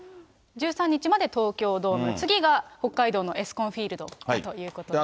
１３日まで東京ドーム、次が北海道のエスコンフィールドだということですね。